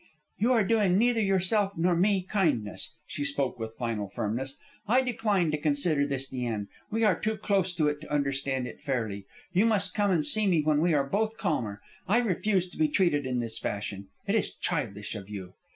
"You are doing neither yourself nor me kindness." She spoke with final firmness. "I decline to consider this the end. We are too close to it to understand it fairly. You must come and see me when we are both calmer. I refuse to be treated in this fashion. It is childish of you."